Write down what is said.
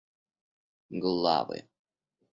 главы